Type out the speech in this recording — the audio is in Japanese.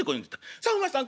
『さあお前さん